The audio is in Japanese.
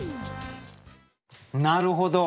なるほど。